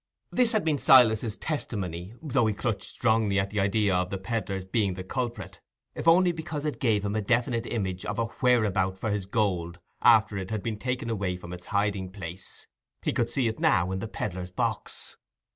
This had been Silas's testimony, though he clutched strongly at the idea of the pedlar's being the culprit, if only because it gave him a definite image of a whereabout for his gold after it had been taken away from its hiding place: he could see it now in the pedlar's box.